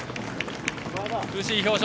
苦しい表情。